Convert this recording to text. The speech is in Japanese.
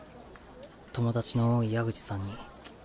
友達の多い矢口さんに。